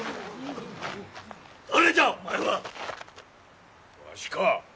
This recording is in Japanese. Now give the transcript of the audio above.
誰じゃお前は！わしか。